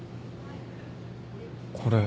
これ。